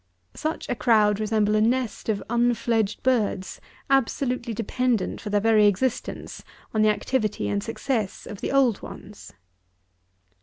Such a crowd resemble a nest of unfledged birds, absolutely dependent for their very existence on the activity and success of the old ones.